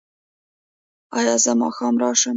ایا زه ماښام راشم؟